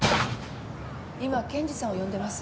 今健児さんを呼んでます。